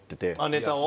ネタを？